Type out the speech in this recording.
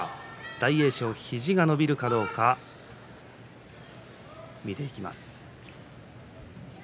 大栄翔、肘が伸びるかどうか見ていきます。